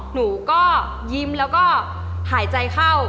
หนูก็ยิ้มแล้วก็หายใจเข้า